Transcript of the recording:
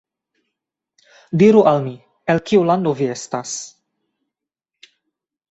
Diru al mi, el kiu lando vi estas.